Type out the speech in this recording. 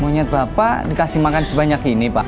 monyet bapak dikasih makan sebanyak ini pak